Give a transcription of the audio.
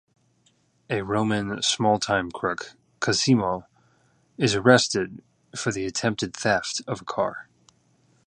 A Roman small-time crook, Cosimo, is arrested for the attempted theft of a car.